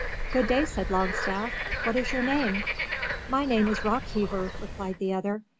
"Good day," said Longstaff. "What is your name?" "My name is ROCKHEAVER," replied the other.